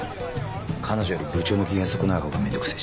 彼女より部長の機嫌損なう方がめんどくせえし。